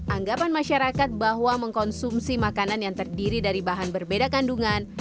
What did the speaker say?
anggapan masyarakat bahwa mengkonsumsi makanan yang terdiri dari bahan berbeda kandungan